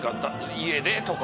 家でとか。